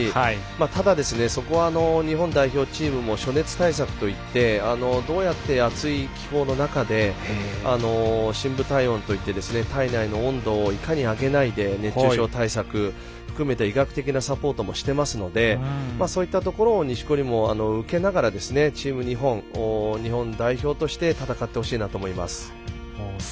ただ、そこは日本代表チームも暑熱対策といってどうやって暑い気候の中で深部体温といって体内の温度をいかに上げないで熱中症対策含めて医学的なサポートもしているのでそういったところを錦織も、受けながらチーム日本代表として戦ってほしいなと思います。